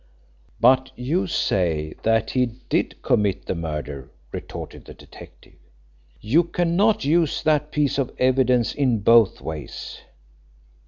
"But you say that he did commit the murder," retorted the detective. "You cannot use that piece of evidence both ways.